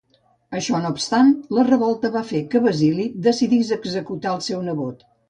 Això no obstant, la revolta va fer que Basili decidís executar el seu nebot.